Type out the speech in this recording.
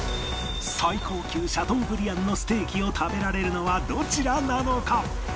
最高級シャトーブリアンのステーキを食べられるのはどちらなのか？